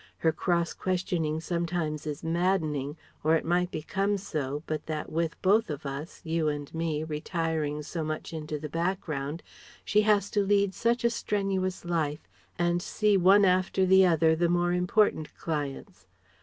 Her cross questioning sometimes is maddening or it might become so, but that with both of us you and me retiring so much into the background she has to lead such a strenuous life and see one after the other the more important clients.